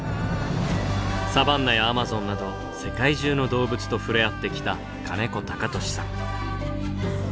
サバンナやアマゾンなど世界中の動物と触れ合ってきた金子貴俊さん。